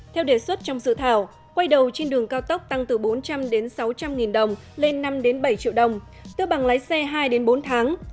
theo đề xuất trong dự thảo quay đầu trên đường cao tốc tăng từ bốn trăm linh đến sáu trăm linh nghìn đồng lên năm bảy triệu đồng tước bằng lái xe hai bốn tháng